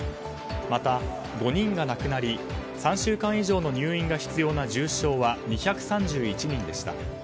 また、５人が亡くなり３週間以上の入院が必要な重症は２３１人でした。